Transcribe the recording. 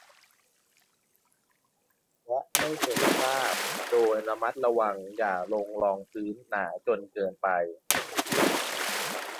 และไม่เป็นคราบ โดยระมัดระวังอย่าลงรองพื้นหนาจนเกินไป